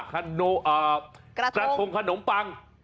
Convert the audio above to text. กระทงขนมปัง